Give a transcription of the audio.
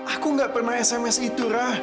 aku gak pernah sms itu rah